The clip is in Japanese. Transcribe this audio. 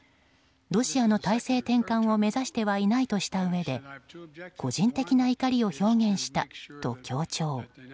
ロシアの体制転換を目指してはいないとしたうえで個人的な怒りを表現したと強調。